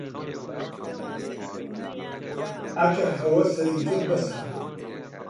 ئەگە هەوەسە، ئیتر بەسە